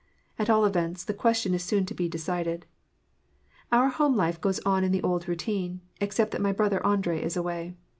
At all events, the question is soon to be decided. Our home life goes on in the old routine; except that my brother Andrei is away.